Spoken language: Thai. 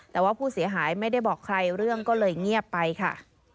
แต่ว่าผู้เสียหายไม่ได้บอกใครเรื่องก็เลยเงียบไปค่ะ